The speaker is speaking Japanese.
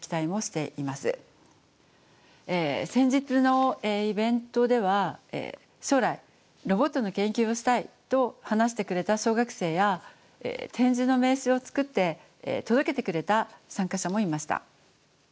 先日のイベントでは将来ロボットの研究をしたいと話してくれた小学生や点字の名刺を作って届けてくれた参加者もいました。